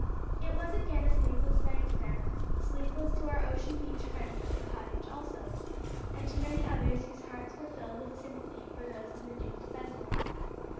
It was again a sleepless night to them; sleepless to our Ocean Beach friends at the cottage also, and to many others whose hearts were filled with sympathy for those in the doomed vessel.